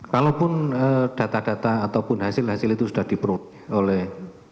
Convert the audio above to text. kalaupun data data ataupun hasil hasil itu sudah diperoleh oleh